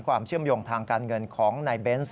ความเชื่อมโยงทางการเงินของนายเบนส์